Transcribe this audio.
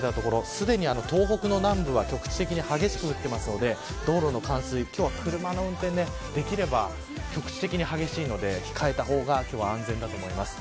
すでに東北の南部では局地的に激しく降っているので道路の冠水今日は車の運転、できれば局地的に激しいので控えた方が安全だと思います。